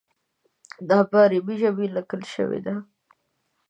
دا په عربي ژبه لیکل شوی دی.